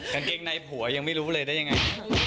กางเกงในผัวยังไม่รู้เลยได้ยังไง